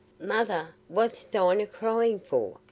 "Mother, what's Dinah crying for?"